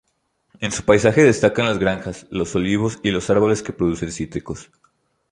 En su paisaje destacan las granjas, los olivos y los árboles que producen cítricos.